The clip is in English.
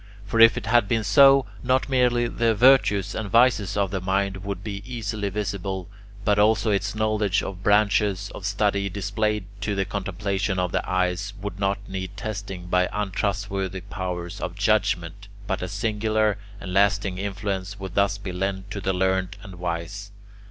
For if it had been so, not merely the virtues and vices of the mind would be easily visible, but also its knowledge of branches of study, displayed to the contemplation of the eyes, would not need testing by untrustworthy powers of judgement, but a singular and lasting influence would thus be lent to the learned and wise.